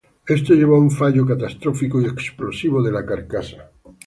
Esto llevó a un fallo catastrófico y explosivo de la carcasa.